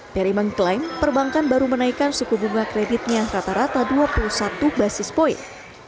peri mengklaim perbankan baru menaikkan suku bunga kreditnya rata rata dua puluh satu basis point